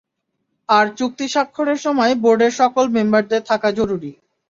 আর চুক্তি স্বাক্ষরের সময় বোর্ডের সকল মেম্বারদের থাকা জরুরী।